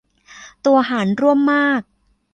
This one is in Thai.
ตัวหารร่วมมาก